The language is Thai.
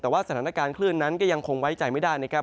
แต่ว่าสถานการณ์คลื่นนั้นก็ยังคงไว้ใจไม่ได้นะครับ